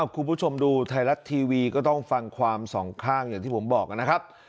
คุณผู้ชมดูไทยรัฐทีวีก็ต้องฟังความสองข้างอย่างที่ผมบอกนะครับ